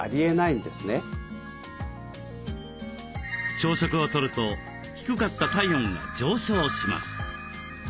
朝食をとると低かった体温が上昇します。